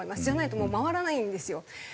じゃないともう回らないんですよ。